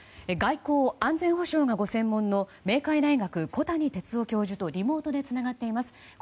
外交・安全保障がご専門の明海大学、小谷哲男教授とリモートでつながっています。